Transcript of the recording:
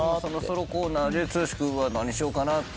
ソロコーナーで剛君は何しようかな。